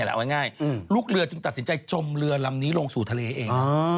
เอาง่ายลูกเรือจึงตัดสินใจจมเรือลำนี้ลงสู่ทะเลเอง